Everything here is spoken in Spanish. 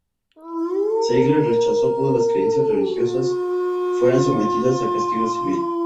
Ziegler rechazó que las creencias religiosas fueran sometidas a castigo civil.